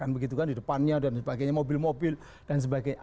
begitu kan di depannya dan sebagainya mobil mobil dan sebagainya